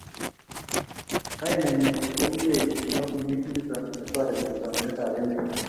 Kainenyi komnyei eng kampunit nindi ko netoreti kandoindetab emet